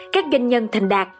các doanh nhân thành đạt